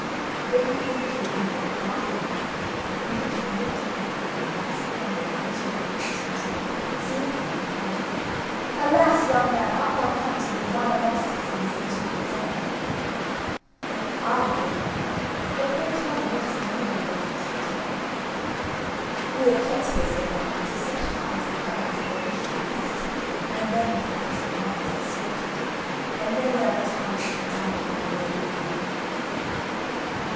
Then he came to a window, barred with iron, through which he looked and beheld a vast number of miserable captives, who, seeing him, cried out: "Alas! young man, art thou come to be one amongst us in this miserable den?" "Ay," quoth Jack, "but pray tell me what is the meaning of your captivity?" "We are kept here," said one, "till such time as the giants have a wish to feast, and then the fattest among us is slaughtered! And many are the times they have dined upon murdered men!"